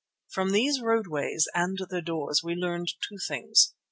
From these roadways and their doors we learned two things.